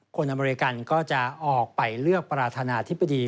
อเมริกันก็จะออกไปเลือกประธานาธิบดี